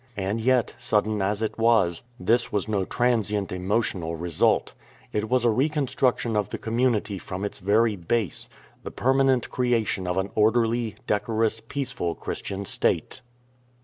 And yet, sudden as it was, this was no transient emotional result. It was a recon struction of the community from its very base, " the per 339 AN ADVENTUROUS TOUR manent creation of an orderly, decorous, peaceful Christian State."